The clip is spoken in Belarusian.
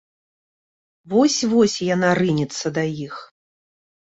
Вось-вось яна рынецца да іх.